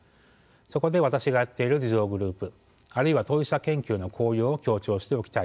そこで私がやっている自助グループあるいは当事者研究の効用を強調しておきたいです。